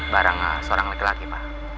barang seorang laki laki pak